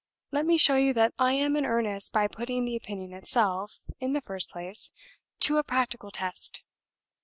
Let me show you that I am in earnest by putting the opinion itself, in the first place, to a practical test.